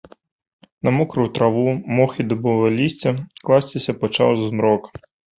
На мокрую траву, мох і дубовае лісце класціся пачаў змрок.